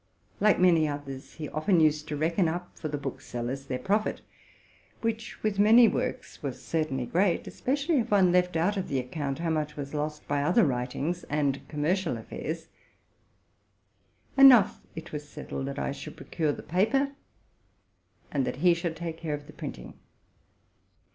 Like many others, he used often to reckon up for the book sellers their profit, which with many works was certainly ereat, especially if one left out of the account how much was lost by other writings and commercial affairs. In short, it was settled that I should procure the paper, and that he should take care of the printing.